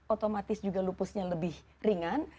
otomatis juga lupusnya lebih ringan